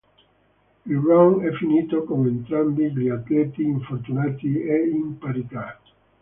Il round è finito con entrambi gli atleti infortunati e in parità.